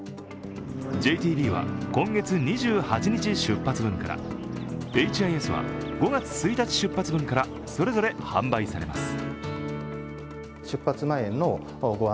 ＪＴＢは今月２８日出発分から、エイチ・アイ・エスは５月１日出発分から、それぞれ販売されます。